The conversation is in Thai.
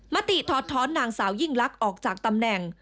มติถอดท้อนนางสาวยิ่งลักษณ์ออกจากตำแหน่ง